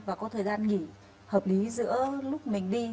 và có thời gian nghỉ hợp lý giữa lúc mình đi